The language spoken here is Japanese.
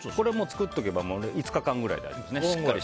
作っておけば５日間くらい大丈夫です。